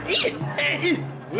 ih eh ih